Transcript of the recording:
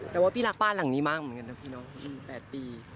แต่ว่าพี่รักบ้านหลังนี้มากเหมือนกันนะพี่น้อง๘ปี